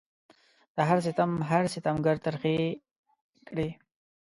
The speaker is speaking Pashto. د هر ستم هر ستمګر ترخې کړي